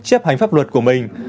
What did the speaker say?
chấp hành pháp luật của mình